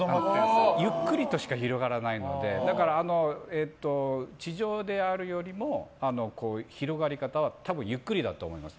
ゆっくりとしか広がらないのでだから地上であるよりも広がり方は多分ゆっくりだと思います。